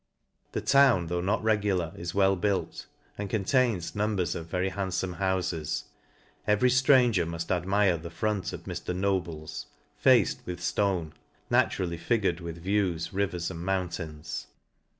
The town, though not regular, is well built, and con tains numbers of very handfome houies. Every ftrartger muft admire the front of Mr. Noble's^ faced with (lone, naturally figured with views, rivers, and mountains.